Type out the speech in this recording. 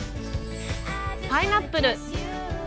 パイナップル。